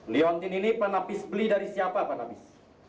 leontin ini pak nafis beli dari siapa pak nafis